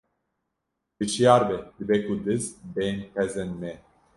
Hişyar be dibe ku diz bên pezên me!